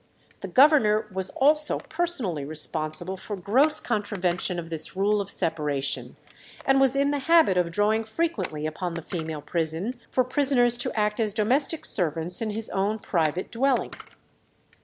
The governor was also personally responsible for gross contravention of this rule of separation, and was in the habit of drawing frequently upon the female prison for prisoners to act as domestic servants in his own private dwelling.